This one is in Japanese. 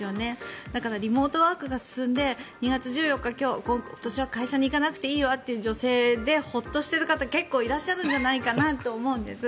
だからリモートワークが進んで２月１４日今年は会社に行かなくていいわという女性でホッとしている方結構いらっしゃるんじゃないかと思うんです。